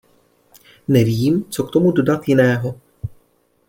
Nevím, co k tomu dodat jiného.